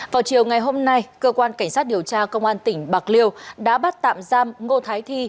vào chiều ngày hôm nay cơ quan cảnh sát điều tra công an tỉnh bạc liêu đã bắt tạm giam ngô thái thi